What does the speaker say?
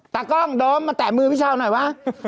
ตากล้องโดมมาแตะมือพี่เช้าหน่อยวะ